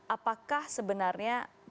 apakah sebenarnya kita bisa cukup optimal